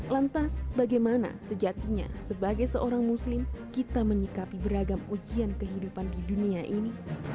lantas bagaimana sejatinya sebagai seorang muslim kita menyikapi beragam ujian kehidupan di dunia ini